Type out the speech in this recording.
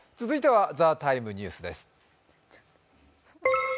続いては「ＴＨＥＴＩＭＥ，ニュース」です。